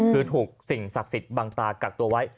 คือถูกสิ่งศักดิ์สิทธิ์บังตากักตัวไว้